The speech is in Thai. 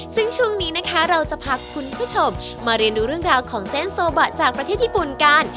ซึ่งช่วงนี้นะคะเราจะพาคุณผู้ชมมาเรียนดูเรื่องราวของเส้นโซบะจากประเทศญี่ปุ่นกัน